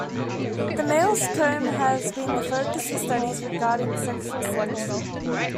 The male's comb has been the focus of studies regarding sexual selection.